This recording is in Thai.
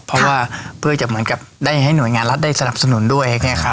เพราะว่าเพื่อจะเหมือนกับได้ให้หน่วยงานรัฐได้สนับสนุนด้วย